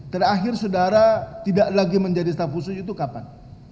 terakhir saudara tidak lagi menjadi staf khusus itu kapan